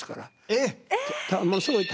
えっ！